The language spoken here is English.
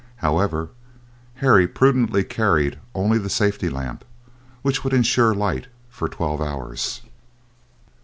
However, Harry prudently carried only the safety lamp, which would insure light for twelve hours.